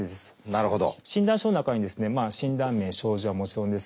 なるほど。